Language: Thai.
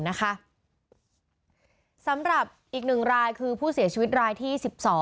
สำหรับอีก๑รายคือผู้เสียชีวิตรายที่๑๒